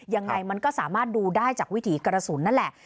ยังไงมันก็สามารถดูได้จากวิถีกระสุนนั่นแหละ